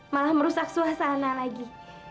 malah merusak suasana lagi